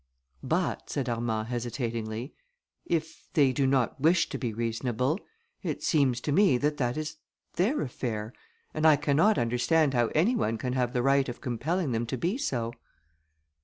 "But," said Armand, hesitatingly, "if they do not wish to be reasonable, it seems to me that that is their affair; and I cannot understand how any one can have the right of compelling them to be so."